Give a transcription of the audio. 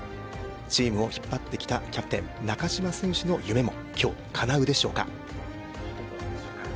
チームを引っ張ってきたキャプテン中島選手の夢も、今日、かなうでしょうか。